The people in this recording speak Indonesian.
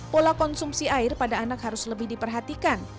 pola konsumsi air pada anak harus lebih diperhatikan